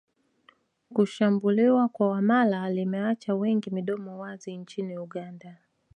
Kushambuliwa kwa Wamala limeacha wengi midomo wazi nchini Uganda